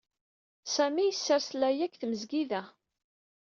Sami yessers Laya deg tmesgida.